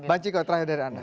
bang ciko terakhir dari anda